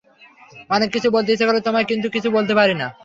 অনেক কিছু বলতে ইচ্ছে করে তোমায়, কিন্তু কিচ্ছু বলতে পারি না।